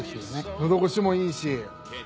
のど越しもいいし。